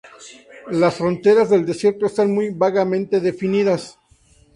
Las fronteras del desierto están muy vagamente definidas.